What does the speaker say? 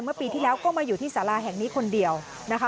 เมื่อปีที่แล้วก็มาอยู่ที่สาราแห่งนี้คนเดียวนะคะ